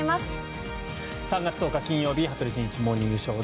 ３月１０日、金曜日「羽鳥慎一モーニングショー」。